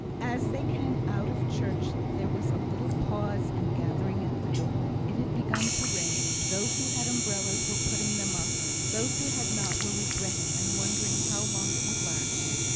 As they came out of church, there was a little pause and gathering at the door. It had begun to rain; those who had umbrellas were putting them up; those who had not were regretting, and wondering how long it would last.